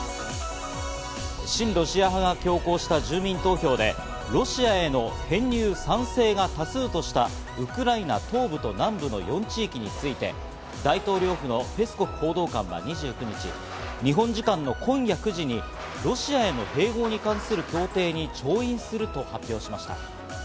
親ロシア派が強行した住民投票で、ロシアへの編入賛成が多数としたウクライナ東部と南部の４地域について、大統領府のペスコフ報道官は２９日、日本時間の今夜９時にロシアへの併合に関する協定に調印すると発表しました。